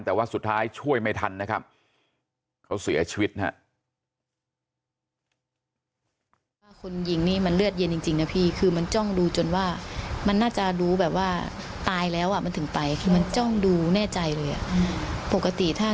แต่ว่าสุดท้ายช่วยไม่ทันนะครับเขาเสียชีวิตนะฮะ